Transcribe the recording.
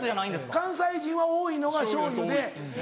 関西人は多いのが醤油で。